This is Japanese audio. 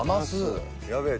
やべえ。